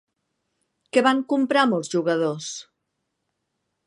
Què van comprar molts jugadors?